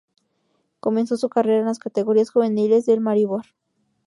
Comenzó su carrera en las categorías juveniles del Maribor.